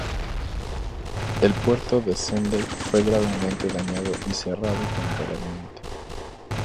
El puerto de Sendai fue gravemente dañado y cerrado temporalmente.